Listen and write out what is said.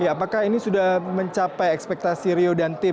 apakah ini sudah mencapai ekspektasi rio dan tim